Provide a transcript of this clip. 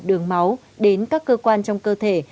đường máu đến các cơ quan trong cơ thể